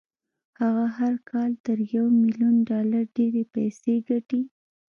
هغه هر کال تر يوه ميليون ډالر ډېرې پيسې ګټي.